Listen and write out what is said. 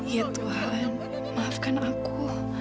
ya tuhan maafkan aku